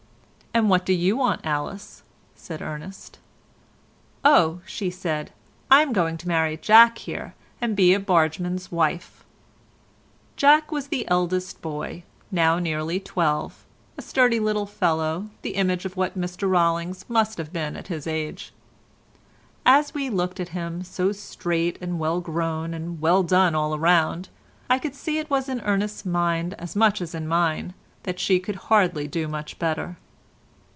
"And what do you want, Alice?" said Ernest. "Oh," she said, "I'm going to marry Jack here, and be a bargeman's wife." Jack was the eldest boy, now nearly twelve, a sturdy little fellow, the image of what Mr Rollings must have been at his age. As we looked at him, so straight and well grown and well done all round, I could see it was in Ernest's mind as much as in mine that she could hardly do much better.